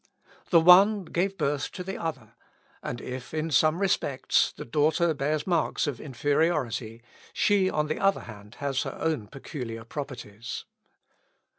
The one gave birth to the other, and if, in some respects, the daughter bears marks of inferiority, she on the other hand has her own peculiar properties.